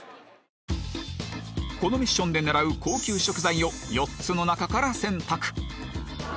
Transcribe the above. このミッションで狙う高級食材を４つの中から選択